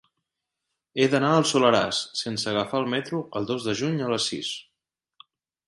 He d'anar al Soleràs sense agafar el metro el dos de juny a les sis.